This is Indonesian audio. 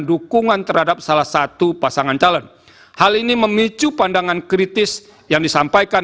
dukungan terhadap salah satu pasangan calon hal ini memicu pandangan kritis yang disampaikan